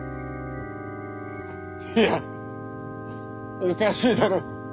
いやおかしいだろう。